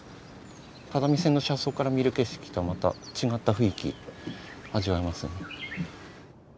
只見線の車窓から見る景色とはまた違った雰囲気味わえますね。